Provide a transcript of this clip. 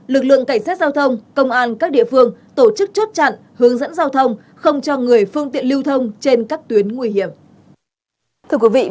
lực lượng cảnh sát giao thông công an các địa phương tổ chức chốt chặn hướng dẫn giao thông không cho người phương tiện lưu thông trên các tuyến nguy hiểm